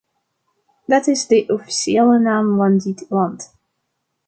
Dat is de officiële naam van dit land.